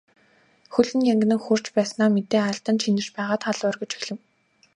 Хөл нь янгинан хөрч байснаа мэдээ алдан чинэрч байгаад халуу оргиж эхлэв.